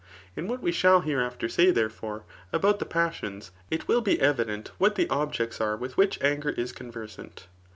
] In what we shall hereafter say, therefore, about the passions, it will be evident what the objects are with which anger is conversant.